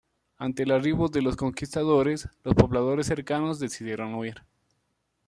Ante el arribo de los conquistadores, los pobladores cercanos decidieron huir.